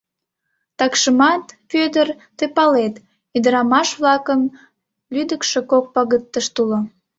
Такшымат, Вӧдыр, тый палет, ӱдырамаш-влакын лӱдыкшӧ кок пагытышт уло.